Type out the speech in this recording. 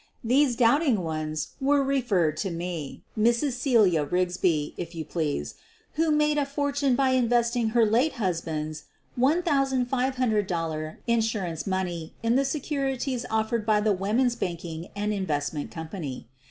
These doubting ones were referred to me — Mrs. Celia Eigsby, if you please, who had made a fortune by investing her late husband's $1,500 insurance money in the securities offered by the Women's Banking and Investment Company.